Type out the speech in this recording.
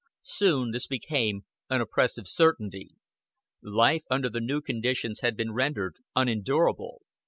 Soon this became an oppressive certainty. Life under the new conditions had been rendered unendurable.